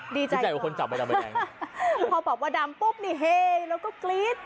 ใหญ่กว่าคนจับใบดำใบแดงพอบอกว่าดำปุ๊บนี่เฮแล้วก็กรี๊ด